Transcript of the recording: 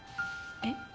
えっ？